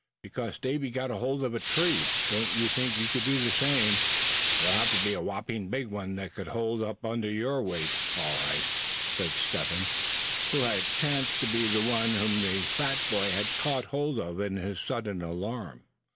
Because Davy got hold of a tree don't think you could do the same. It'll have to be a whopping big one that could bear up under your weight, all right," said Step Hen, who chanced to be the one whom the fat boy had caught hold of in his sudden alarm.